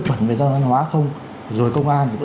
chuẩn về văn hóa không rồi công an có